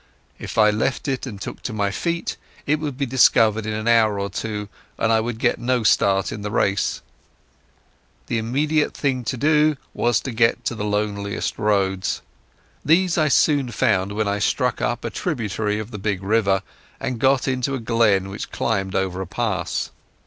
If I left it and took to my feet, it would be discovered in an hour or two and I would get no start in the race. The immediate thing to do was to get to the loneliest roads. These I soon found when I struck up a tributary of the big river, and got into a glen with steep hills all about me, and a corkscrew road at the end which climbed over a pass.